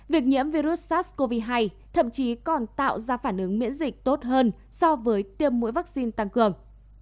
việc nhiễm virus sars cov hai thậm chí còn tạo ra phản ứng miễn dịch tốt hơn so với tiêm mũi vaccine tăng cường